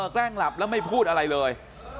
แกล้งหลับแล้วไม่พูดอะไรเลย